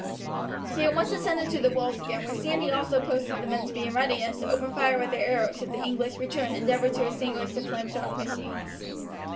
She at once ascended to the walls again, where Sandy also posted the men to be in readiness to open fire with their arrows should the English return and endeavour to extinguish the flames round the machines.